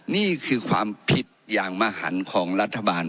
นี่คือความผิดอย่างมหันของรัฐบาล